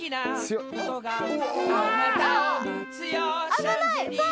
危ない！